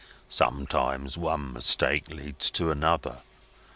Sometimes one mistake leads to another.